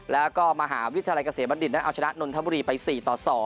แล้วก็มหาวิทยาลัยเกษมบัณฑิตนั้นเอาชนะนนทบุรีไป๔ต่อ๒